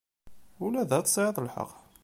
Ula da, tesɛiḍ lḥeqq.